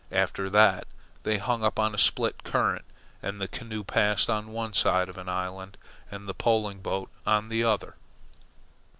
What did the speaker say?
After that they hung up on a split current, and the canoe passed on one side of an island, the poling boat on the other.